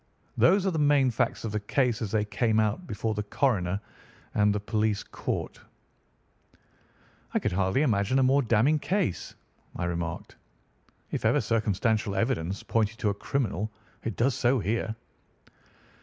Those are the main facts of the case as they came out before the coroner and the police court." "I could hardly imagine a more damning case," I remarked. "If ever circumstantial evidence pointed to a criminal it does so here."